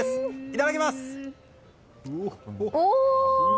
いただきます！